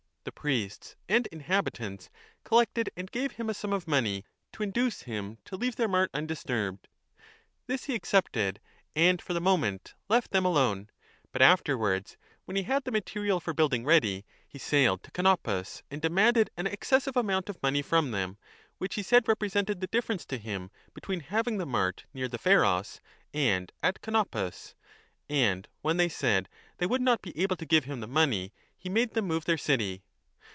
The priests and inhabitants collected and gave him a sum of money to induce him to leave their mart undisturbed. This he accepted and for the moment 35 left them alone, but afterwards, when he had the material for building ready, he sailed to Canopus and demanded an excessive amount of money from them, which he I352 1 said represented the difference to him between having the mart near the Pharos and at Canopus. And when they said that they would not be able to give him the money he made them move their city.